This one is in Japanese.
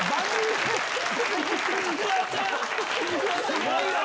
すごいよ！